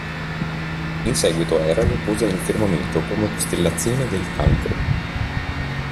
In seguito Era lo pose nel firmamento come costellazione del Cancro.